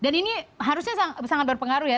dan ini harusnya sangat berpengaruh ya